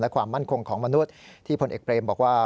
และความมั่นคงของมนุษย์ที่พลเอกเบรมบอกว่า